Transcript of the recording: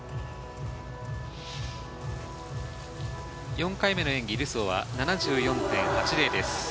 ４回目の演技、ルソーは７４．８０です。